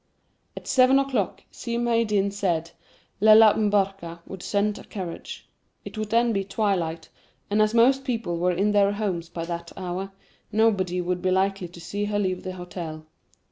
At seven o'clock, Si Maïeddine said, Lella M'Barka would send a carriage. It would then be twilight, and as most people were in their homes by that hour, nobody would be likely to see her leave the hotel.